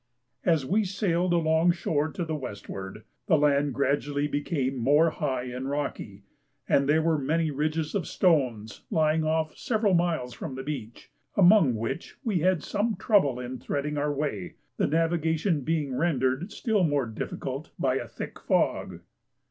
As we sailed along shore to the westward, the land gradually became more high and rocky, and there were many ridges of stones lying off several miles from the beach, among which we had some trouble in threading our way, the navigation being rendered still more difficult by a thick fog.